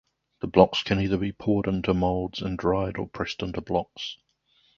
The blocks can either be poured into molds and dried, or pressed into blocks.